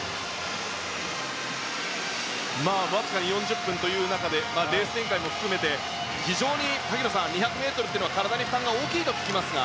わずか４０分という中でレース展開も含めて非常に萩野さん、２００ｍというのは体に負担が大きいと聞きますが。